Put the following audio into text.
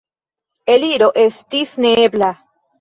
Eliro estis neebla.